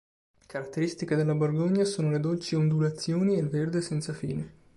Caratteristiche della Borgogna sono le dolci ondulazioni e il verde senza fine.